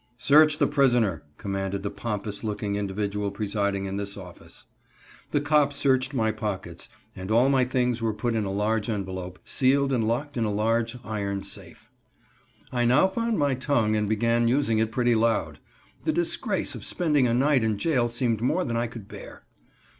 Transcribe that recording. "Search the prisoner," commanded the pompous looking individual presiding in this office. The cop searched my pockets and all my things were put in a large envelope, sealed and locked in a large iron safe. I now found my tongue and began using it pretty loud. The disgrace of spending a night in jail seemed more than I could bear.